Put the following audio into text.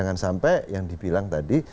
jangan sampai yang dibikin itu itu